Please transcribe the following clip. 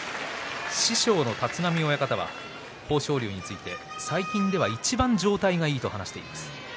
師匠の立浪親方は豊昇龍について最近では、いちばん状態がいいと話していました。